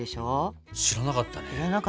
知らなかったね。